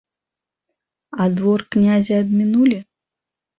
А двор князя абмінулі?